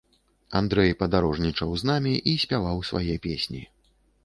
Андрэй падарожнічаў з намі і спяваў свае песні.